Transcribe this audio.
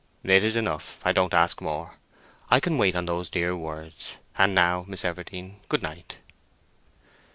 "It is enough; I don't ask more. I can wait on those dear words. And now, Miss Everdene, good night!"